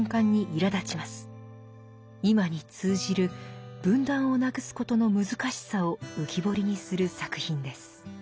今に通じる分断をなくすことの難しさを浮き彫りにする作品です。